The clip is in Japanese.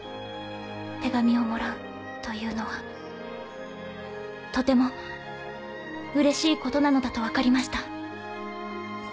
手紙をもらうというのはとてもうれしいことなのだと分かりました。